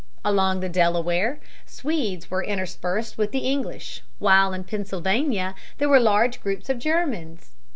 Along the Delaware, Swedes were interspersed with the English, while in Pennsylvania there were large groups of Germans.